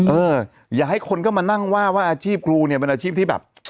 เอออย่าให้คนเข้ามานั่งว่าว่าอาชีพครูเนี่ยเป็นอาชีพที่แบบ